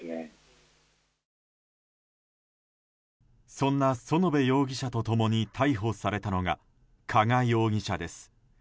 そんな園部容疑者と共に逮捕されたのが加賀容疑者です。